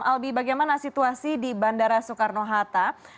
albi bagaimana situasi di bandara soekarno hatta